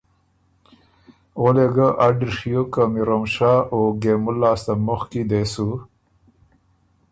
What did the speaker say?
او يې ګۀ اډِر ݭیوک که میروم شاه او ګېمُل لاسته مخکی دې سُو